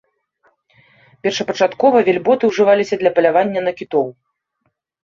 Першапачаткова вельботы ўжываліся для палявання на кітоў.